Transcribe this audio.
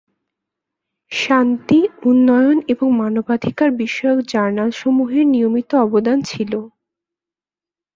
শান্তি, উন্নয়ন এবং মানবাধিকার বিষয়ক জার্নাল সমুহের নিয়মিত অবদান ছিলো।